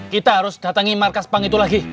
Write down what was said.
kita harus datengin markas pang itu lagi